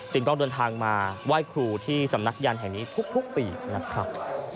ต้องเดินทางมาไหว้ครูที่สำนักยันต์แห่งนี้ทุกปีนะครับ